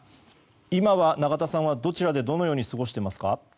今はナガタさんはどちらでどのように過ごしていますか？